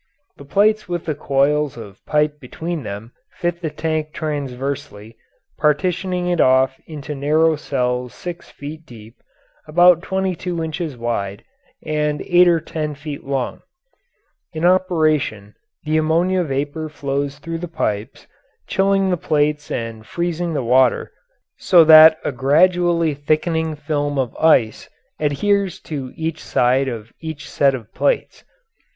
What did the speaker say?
The plates with the coils of pipe between them fit in the tank transversely, partitioning it off into narrow cells six feet deep, about twenty two inches wide, and eight or ten feet long. In operation, the ammonia vapour flows through the pipes, chilling the plates and freezing the water so that a gradually thickening film of ice adheres to each side of each set of plates.